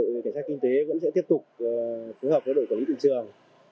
đội cảnh sát kinh tế vẫn sẽ tiếp tục phối hợp với đội quản lý thị trường